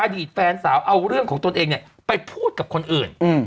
อดีตแฟนสาวเอาเรื่องของตนเองเนี่ยไปพูดกับคนอื่น